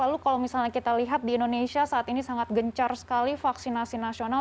lalu kalau misalnya kita lihat di indonesia saat ini sangat gencar sekali vaksinasi nasional